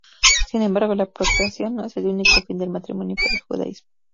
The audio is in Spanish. Sin embargo, la procreación no es el único fin del matrimonio para el judaísmo.